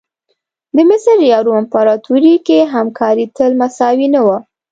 د مصر یا روم امپراتوري کې همکاري تل مساوي نه وه.